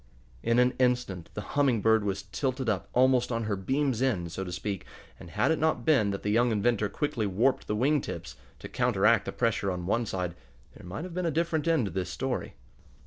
In an instant the Humming Bird was tilted up almost on her "beams' ends," so to speak, and had it not been that the young inventor quickly warped the wing tips, to counteract the pressure on one side, there might have been a different end to this story.